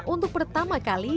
untuk pertama kali